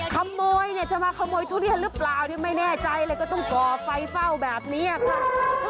ขโมยเนี่ยจะมาขโมยทุเรียนหรือเปล่าเนี่ยไม่แน่ใจเลยก็ต้องก่อไฟเฝ้าแบบนี้ค่ะ